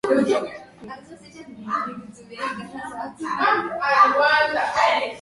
ili kuweza kuzifanya kinga za mwili ziweze kupambana na maradhi yanayoaribu kinga ya mwili